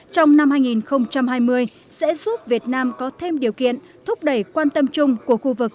trong năm hai nghìn hai mươi sẽ giúp việt nam có thêm điều kiện thúc đẩy quan tâm chung của khu vực